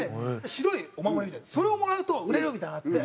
白いお守りみたいなそれをもらうと売れるみたいなのがあって。